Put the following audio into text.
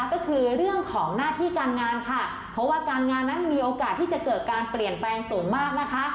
ก็คือเรื่องของหน้าที่การงานค่ะเพราะว่าการงานนั้นมีโอกาสที่จะเกิดการเปลี่ยนแปลงสูงมากนะคะ